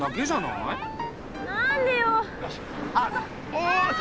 おし。